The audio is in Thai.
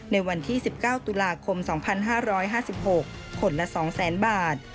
ในวันที่๑๙ตุลาคม๒๕๕๖คนละ๒๐๐๐๐บาท